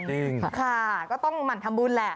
จริงค่ะก็ต้องหมั่นทำบุญแหละ